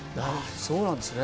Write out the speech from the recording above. そうなんですね。